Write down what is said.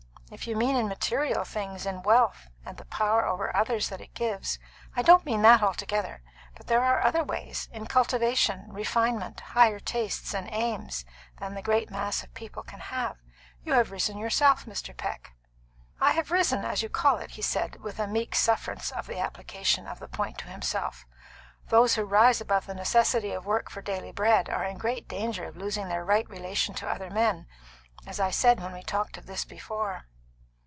If you mean in material things, in wealth and the power over others that it gives " "I don't mean that altogether. But there are other ways in cultivation, refinement, higher tastes and aims than the great mass of people can have. You have risen yourself, Mr. Peck." "I have risen, as you call it," he said, with a meek sufferance of the application of the point to himself. "Those who rise above the necessity of work for daily bread are in great danger of losing their right relation to other men, as I said when we talked of this before."